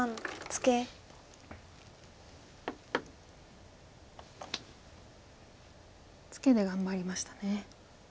ツケで頑張りましたね。